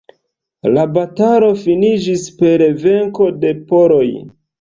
La batalo finiĝis per venko de poloj.